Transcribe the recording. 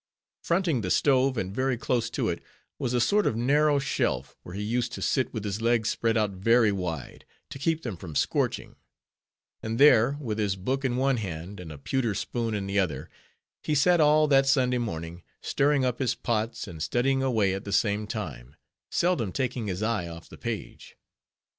Fronting the stove, and very close to it, was a sort of narrow shelf, where he used to sit with his legs spread out very wide, to keep them from scorching; and there, with his book in one hand, and a pewter spoon in the other, he sat all that Sunday morning, stirring up his pots, and studying away at the same time; seldom taking his eye off the page.